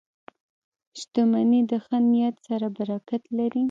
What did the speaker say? • شتمني د ښه نیت سره برکت لري.